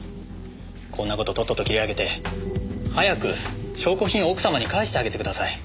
こんな事とっとと切り上げて早く証拠品を奥様に返してあげてください。